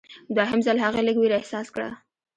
دوهم ځل هغې لږ ویره احساس کړه.